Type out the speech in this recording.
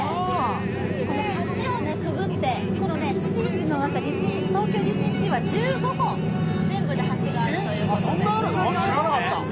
橋をくぐって、東京ディズニーシーは１５本、全部で橋があるということです。